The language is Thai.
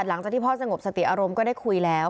หลังจากที่พ่อสงบสติอารมณ์ก็ได้คุยแล้ว